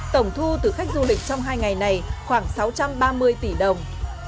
tổng thu từ khách du lịch trong hai ngày này khoảng sáu trăm ba mươi tỷ đồng